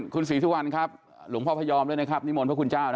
คุณศรีสุวรรณครับหลวงพ่อพยอมด้วยนะครับนิมนต์พระคุณเจ้า